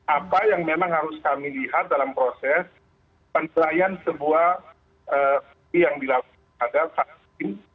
apa yang memang harus kami lihat dalam proses penilaian sebuah vaksin